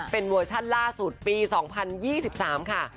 เป็นเวอร์ชั่นล่าสุดปี๒๐๒๓ค่ะ